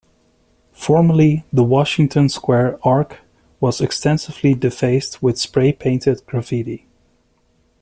Formerly, the Washington Square Arch was extensively defaced with spray-painted graffiti.